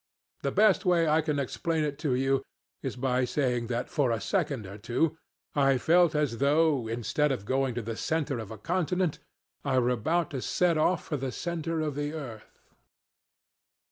The best way I can explain it to you is by saying that, for a second or two, I felt as though, instead of going to the center of a continent, I were about to set off for the center of the earth.